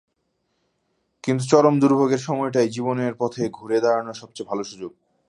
কিন্তু চরম দুর্ভোগের সময়টাই জীবনের পথে ঘুরে দাঁড়ানোর সবচেয়ে ভালো সুযোগ।